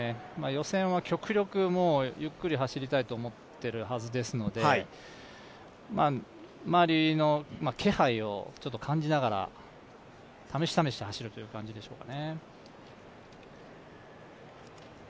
予選は極力、ゆっくり走りたいと思っているはずですので周りの気配を感じながら、試し試し走るという感じでしょうか。